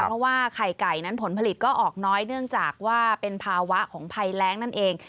เพราะว่าไข่ไก่นั้นผลผลิตก็ออกน้อยเนื่องจากว่าเป็นภาวะของภัยแรงนั่นเอง